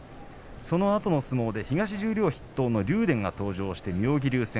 そのあとの相撲で東十両筆頭竜電が登場して妙義龍戦。